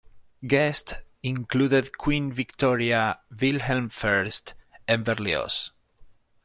Guests included Queen Victoria, Wilhelm I, and Berlioz.